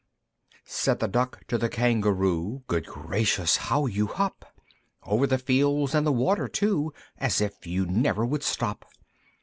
I. Said the Duck to the Kangaroo, "Good gracious! how you hop! Over the fields and the water too, As if you never would stop!